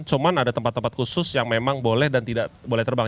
cuma ada tempat tempat khusus yang memang boleh dan tidak boleh terbang